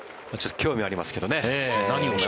興味ありますけどね。